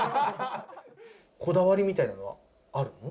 こだわりみたいなのはあるの？